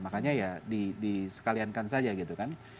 makanya ya disekaliankan saja gitu kan